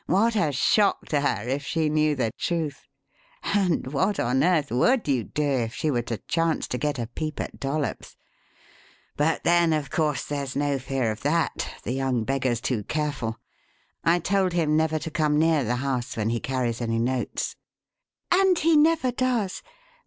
"What a shock to her if she knew the truth. And what on earth would you do if she were to chance to get a peep at Dollops? But then, of course, there's no fear of that the young beggar's too careful. I told him never to come near the house when he carries any notes." "And he never does.